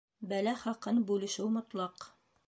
Бәлә хаҡын бүлешеү мотлаҡ